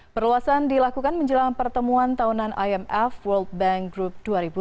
perluasan dilakukan menjelang pertemuan tahunan imf world bank group dua ribu dua puluh